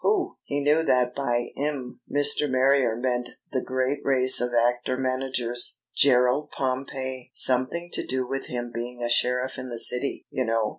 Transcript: "Who?" He knew that by "'em" Mr. Marrier meant the great race of actor managers. "Gerald Pompey. Something to do with him being a sheriff in the City, you know.